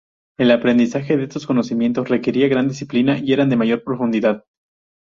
El aprendizaje de estos conocimientos requería de gran disciplina y eran de mayor profundidad.